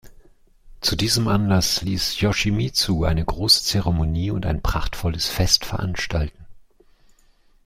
Zu diesem Anlass ließ Yoshimitsu eine große Zeremonie und ein prachtvolles Fest veranstalten.